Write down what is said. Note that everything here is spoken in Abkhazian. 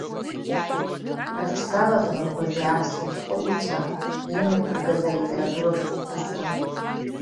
Рыҽзаладмырхәызеи аԥсуа шәҟәыҩҩцәа имҩаԥыргаз алитературатә хәылԥазы?